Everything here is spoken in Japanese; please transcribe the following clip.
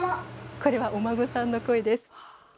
これはお孫さんの声です。